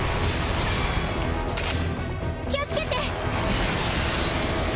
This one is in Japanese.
気をつけて！